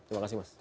terima kasih mas